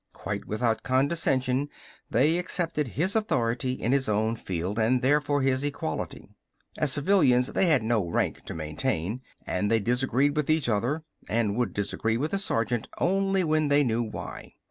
Quite without condescension they accepted his authority in his own field, and therefore his equality. As civilians they had no rank to maintain, and they disagreed with each other and would disagree with the sergeant only when they knew why.